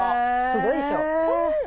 すごいでしょ。